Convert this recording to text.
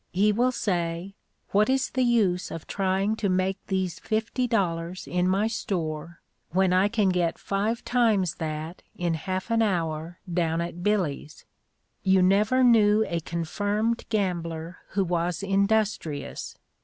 He will say, "What is the use of trying to make these fifty dollars in my store when I can get five times that in half an hour down at 'Billy's'?" You never knew a confirmed gambler who was industrious.